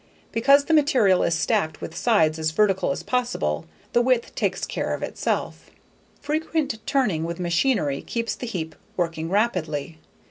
Because the material is stacked with sides as vertical as possible, the width takes care of itself. Frequent turning with machinery keeps the heap working rapidly.